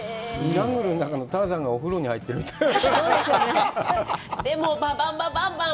ジャングルの中のターザンがお風呂に入ってるみたいな。